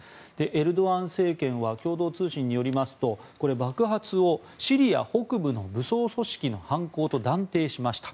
エルドアン政権は共同通信によりますと爆発をシリア北部の武装組織の犯行と断定しました。